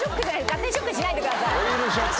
勝手にショックにしないでください。